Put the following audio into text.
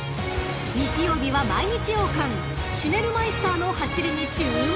［日曜日は毎日王冠シュネルマイスターの走りに注目！］